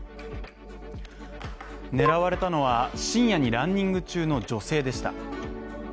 狙われたのは深夜にランニング中の女性でした。